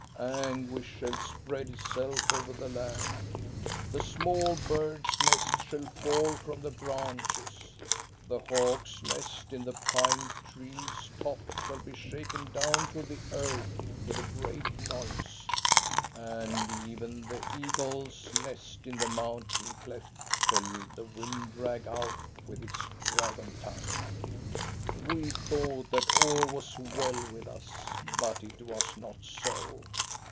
"Anguish shall spread itself over the land. The small birds' nests shall fall from the branches. The hawk's nest in the pine tree's top shall be shaken down to the earth with a great noise, and' even the eagle's nest in the mountain cleft shall the wind drag out with its dragon tongue. " We thought that all was well with us ; but it was not so.